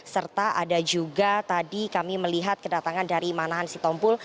serta ada juga tadi kami melihat kedatangan dari manahan sitompul